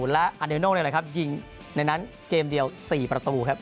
และอเรียโน่เลยนะครับยิงในนั้นเกมเดียว๔ประตูครับ